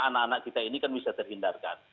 anak anak kita ini kan bisa terhindarkan